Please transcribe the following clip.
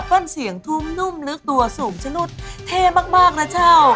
ต้นเสียงทุ่มนุ่มลึกตัวสูงชนุดเท่มากนะเช่า